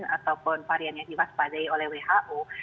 ataupun varian yang diwaspadai oleh who